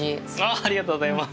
ありがとうございます。